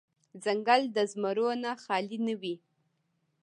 ځنګل د زمرو نه خالې نه وي.